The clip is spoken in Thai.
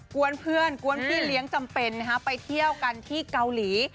วนเพื่อนกวนพี่เลี้ยงจำเป็นไปเที่ยวกันที่เกาหลี